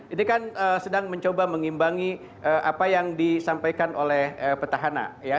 ini kan sedang mencoba mengimbangi apa yang disampaikan oleh petahana